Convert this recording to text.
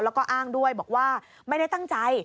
แล้วก็อ้างด้วยบอกว่าไม่ได้ตั้งใจ